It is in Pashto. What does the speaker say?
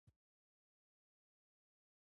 یو جونګړه ځما کور وای